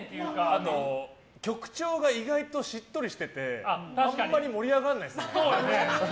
あと、曲調が意外としっとりしててあまり盛り上がらないんですよね。